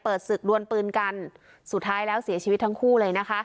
ศึกดวนปืนกันสุดท้ายแล้วเสียชีวิตทั้งคู่เลยนะคะ